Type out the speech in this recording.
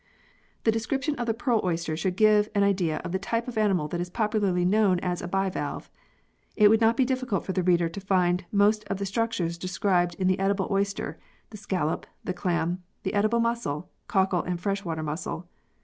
The description of the pearl oyster should give an idea of the type of animal that is popularly known as a bivalve. It would not be difficult for the reader to find most of the structures described in the edible oyster, the scallop, the clam, the edible mussel, cockle and fresh water mussel.